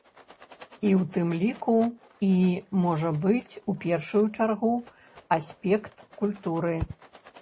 І ў тым ліку, і, можа быць, у першую чаргу, аспект культуры.